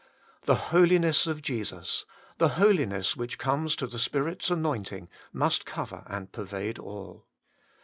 The Holiness of Jesus, the Holiness which comes of the Spirit's anointing, must cover and pervade all.